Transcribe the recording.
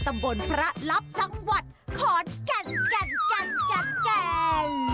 ตำบลพระลับจังหวัดขอนแก่นแก่น